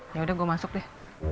yaudah gue masuk deh